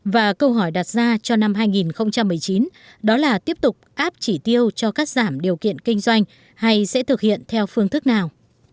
và câu hỏi đặt ra cho năm hai nghìn một mươi chín đó là tiếp tục áp chỉ tiêu cho cắt giảm điều kiện kinh doanh hay sẽ thực hiện theo phương thức nào